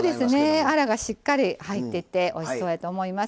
アラがしっかり入っていておいしそうやと思います。